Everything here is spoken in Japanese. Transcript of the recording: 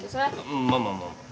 まあまあまあまあ。